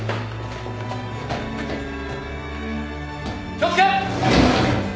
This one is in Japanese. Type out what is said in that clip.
気を付け！